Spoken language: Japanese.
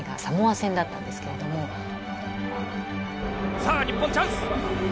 さあ、日本チャンス。